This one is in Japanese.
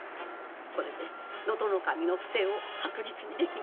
これで能登守の不正を白日にできます。